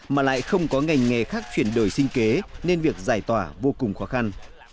mà lại không có ngành nghề khác chuyển đổi sinh kế nên việc giải tỏa vô cùng khó khăn